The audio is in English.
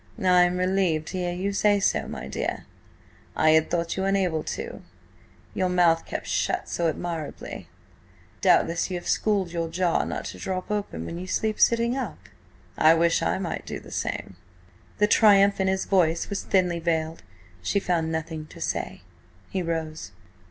"I am relieved to hear you say so, my dear. I had thought you unable to–your mouth kept shut so admirably. Doubtless you have schooled your jaw not to drop when you sleep sitting up? I wish I might do the same." The triumph in his voice was thinly veiled. She found nothing to say. He rose.